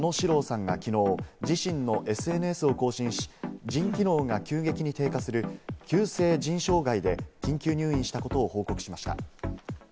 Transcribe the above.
俳優の佐野史郎さんがきのう自身のＳＮＳを更新し、腎機能が急激に低下する急性腎障害で緊急入院したことを報告しました。